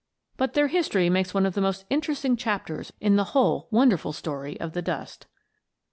But their history makes one of the most interesting chapters in the whole wonderful story of the dust.